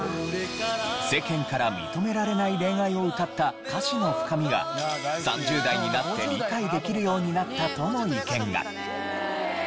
世間から認められない恋愛を歌った歌詞の深みが３０代になって理解できるようになったとの意見が。